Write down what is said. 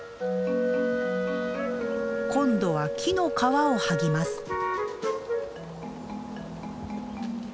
今度は木の皮を剥ぎます。